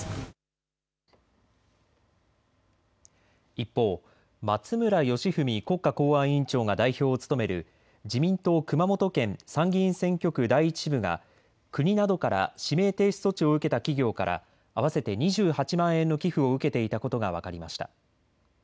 一方、松村祥史国家公安委員長が代表を務める自民党熊本県参議院選挙区第一支部が国などから指名停止措置を受けた企業から合わせて２８万円の寄付を受けていたことが分かりました。